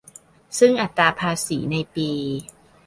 ซึ่งอัตราภาษีในปี